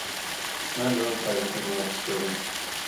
مەن بۇنىڭ پايدىسىنى بىۋاسىتە كۆردۈم.